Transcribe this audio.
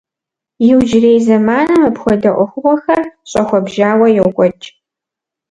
Иужьрей зэманым апхуэдэ ӏуэхугъуэхэр щӏэхуэбжьауэ йокӏуэкӏ.